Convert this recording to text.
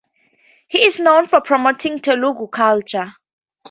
He is known for promoting Telugu culture.